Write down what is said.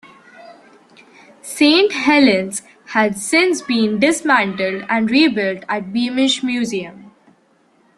Saint Helen's has since been dismantled and rebuilt at Beamish Museum.